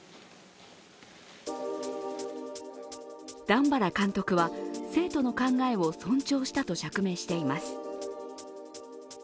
段原監督は生徒の考えを尊重したと釈明しています。